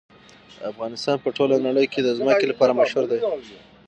افغانستان په ټوله نړۍ کې د ځمکه لپاره مشهور دی.